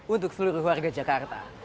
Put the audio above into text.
untuk seluruh warga jakarta